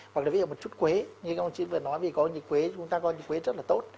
hoặc là ví dụ như một chút quế như ông chí vừa nói vì quế chúng ta gọi như quế rất là tốt